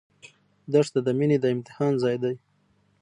دښته د مینې د امتحان ځای دی.